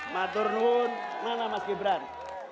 maturnuhun mana mas gibran